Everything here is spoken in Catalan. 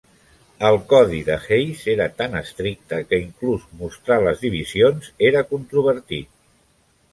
El codi de Hays era tan estricte que inclús mostrar les divisions era controvertit.